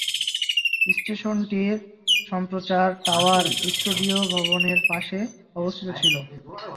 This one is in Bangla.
স্টেশনটির সম্প্রচার টাওয়ার স্টুডিও ভবনের পাশে অবস্থিত ছিল।